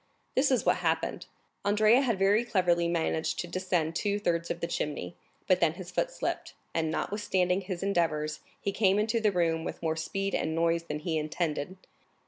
This is what had happened: Andrea had very cleverly managed to descend two thirds of the chimney, but then his foot slipped, and notwithstanding his endeavors, he came into the room with more speed and noise than he intended.